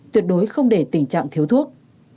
tuyệt đối không để tình trạng thiếu thuốc